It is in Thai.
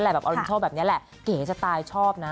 แบบออนโทรแบบนี้แหละเก๋สไตล์ชอบนะ